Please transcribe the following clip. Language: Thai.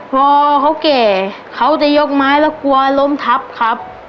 พอเขาแก่เขาจะยกไม้แล้วกลัวล้มทับครับ